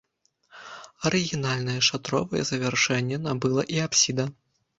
Арыгінальнае шатровае завяршэнне набыла і апсіда.